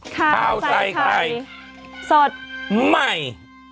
ข้าวใส่ไข่สดใหม่